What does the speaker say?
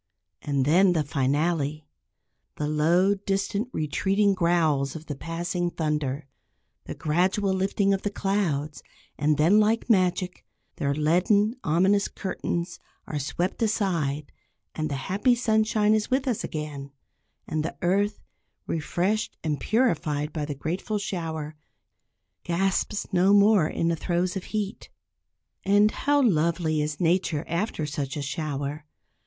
And then the finale; the low, distant, retreating growls of the passing thunder, the gradual lifting of the clouds, and then like magic, their leaden, ominous curtains are swept aside, and the happy sunshine is with us again, and the earth, refreshed and purified by the grateful shower, gasps no more in the throes of heat. And how lovely is nature after such a shower.